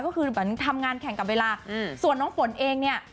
ก็คือเหมือนทำงานแข่งกับเวลาส่วนน้องฝนเองเนี่ย